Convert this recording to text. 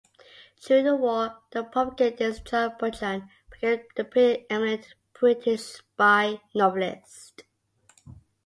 During the War, the propagandist John Buchan became the pre-eminent British spy novelist.